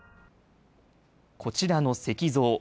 こちらの石像。